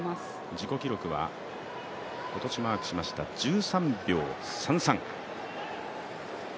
自己記録は今年マークしました１３秒３３。